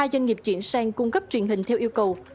hai doanh nghiệp chuyển sang cung cấp truyền hình theo yêu cầu